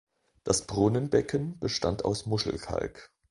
Das Brunnenbecken bestand aus Muschelkalk.